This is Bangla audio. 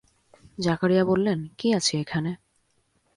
জাকারিয়া বললেন, কি আছে এখানে?